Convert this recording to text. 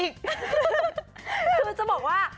คือจะบอกว่า